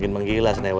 kami agen cae